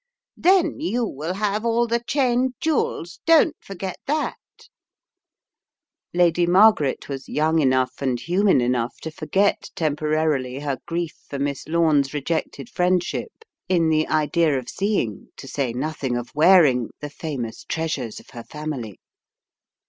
Then you will have all the Cheyne jewels, don't forget that " Lady Margaret was young enough and human enough to forget temporarily her grief for Miss Lome's rejected friendship in the idea of seeing, to say nothing of wearing, the famous treasures of her family.